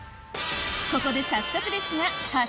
ここで早速ですが何？